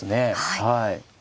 はい。